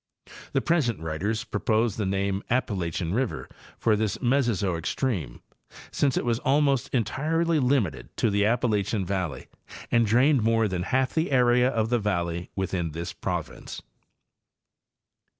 The present writers propose the name Appalachian river for this Mesozoic stream, since it was almost entirely limited to the Appalachian valley and drained more than half the area of the valley within this province.